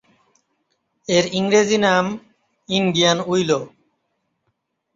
এর ইংরেজি নাম ইন্ডিয়ান উইলো।